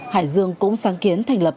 hải dương cũng sáng kiến thành lập